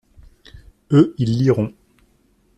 Eux, ils liront.